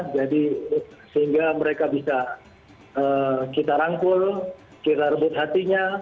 jadi sehingga mereka bisa kita rangkul kita rebuskan